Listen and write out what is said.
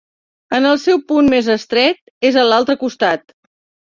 En el seu punt més estret, és a l'altre costat.